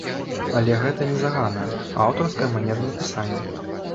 Але гэта не загана, а аўтарская манера напісання.